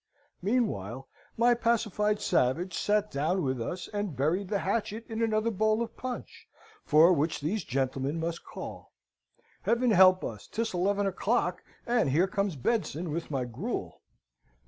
Meanwhile, my pacified savage sate down with us, and buried the hatchet in another bowl of punch, for which these gentlemen must call. Heaven help us! 'Tis eleven o'clock, and here comes Bedson with my gruel!